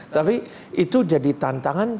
tapi itu jadi tantangan